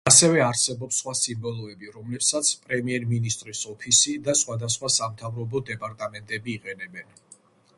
ასევე არსებობს სხვა სიმბოლოები, რომლებსაც პრემიერ მინისტრის ოფისი და სხვადასხვა სამთავრობო დეპარტამენტები იყენებენ.